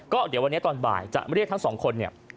ก็เดี๋ยววันนี้ตอนบ่ายจะมาเรียกทั้ง๒คน